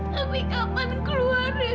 tapi kapan keluar ya suster